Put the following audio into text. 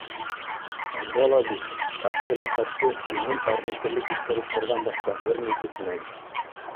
Унда ла бит Әптеләхәтте күңел әрнетерлек иҫтәлектәрҙән башҡа бер ни көтмәй.